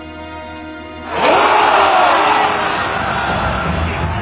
お！